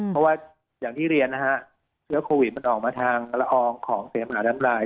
เพราะว่าอย่างที่เรียนนะฮะเชื้อโควิดมันออกมาทางละอองของเสมหาดำราย